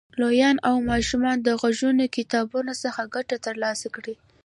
لویان او ماشومان د غږیزو کتابونو څخه ګټه تر لاسه کړي.